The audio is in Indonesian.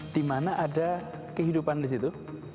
dimana ada kehidupan di situ